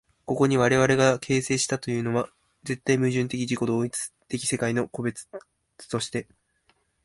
ここに我々が形成的というのは、絶対矛盾的自己同一的世界の個物として、